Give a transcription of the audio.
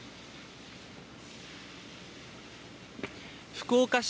福岡市